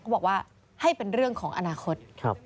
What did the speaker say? บอกว่าให้เป็นเรื่องของอนาคต